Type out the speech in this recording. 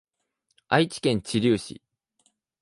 愛知県知立市